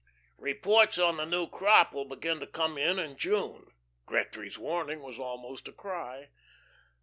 "Reports on the new crop will begin to come in in June." Gretry's warning was almost a cry.